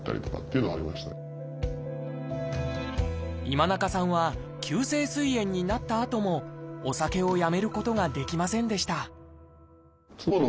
今中さんは急性すい炎になったあともお酒をやめることができませんでした